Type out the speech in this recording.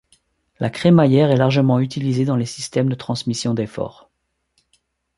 La crémaillère est largement utilisée dans des systèmes de transmissions d'effort.